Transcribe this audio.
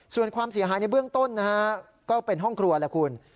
ส่วนความเสียหายในเบื้องต้นนะฮะก็เป็นห้องครัวแหละคุณ